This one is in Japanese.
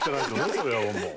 それはもう。